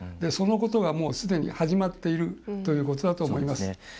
そのことが、すでに始まっているということだと思います。